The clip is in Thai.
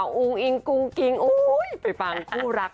อลลเลยหลุดหลุดไปฟังคู่รัก